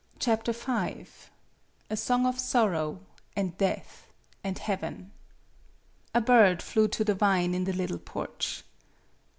" A SONG OF SORROW AND DEATH AND HEAVEN A BIRD flew to the vine in the little porch.